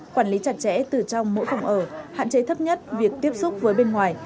quản lý chặt chẽ từ trong mỗi phòng ở hạn chế thấp nhất việc tiếp xúc với bên ngoài